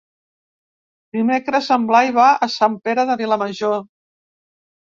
Dimecres en Blai va a Sant Pere de Vilamajor.